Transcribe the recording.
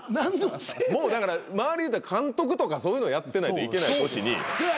周りでいったら監督とかそういうのやってないといけない年に。